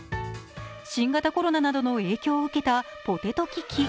新型コロナなどの影響を受けたポテト危機。